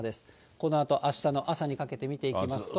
このあとあしたの朝にかけて見ていきますと。